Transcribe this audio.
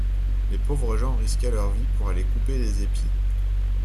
Les pauvres gens risquaient leur vie pour aller couper des épis.